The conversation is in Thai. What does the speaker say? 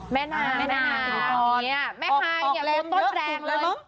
แม่นางแม่นางแม่ฮายเนี่ยต้นแรงเลย